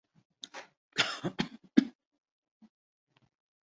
کرس Meeke rally Argentina کے فاتح تیرہ برس بعد ورلڈ ریلی چیمپئن جیتنے والے پہلے برطانوی